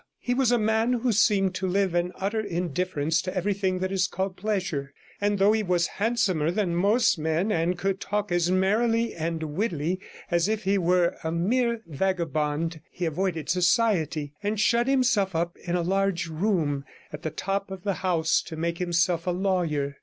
He was a man who seemed to live in utter indifference to everything that is called pleasure; and though he was handsomer than most men, and could talk as merrily and wittily as if he were a mere vagabond, he avoided society, and shut himself up in a large room at the top of the house to make himself a lawyer.